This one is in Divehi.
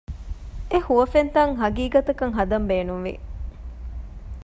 އެ ހުވަފެންތައް ހަގީގަތަކަށް ހަދަން ބޭނުންވި